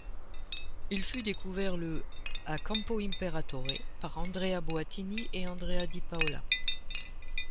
Il fut découvert le à Campo Imperatore par Andrea Boattini et Andrea Di Paola.